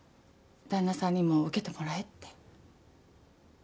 旦那さんにも受けてもらえって。